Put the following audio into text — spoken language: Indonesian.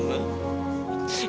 kamu akan republican